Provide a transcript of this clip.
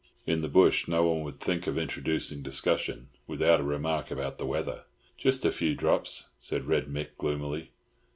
In the bush no one would think of introducing discussion without a remark about the weather. "Jist a few drops," said Red Mick gloomily.